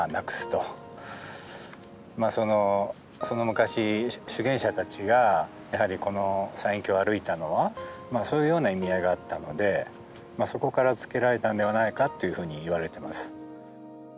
その昔修験者たちがやはりこの山域を歩いたのはそういうような意味合いがあったのでそこから付けられたんではないかっていうふうにいわれてます。